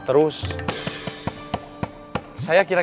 terima kasih tang